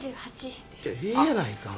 ええやないかお前。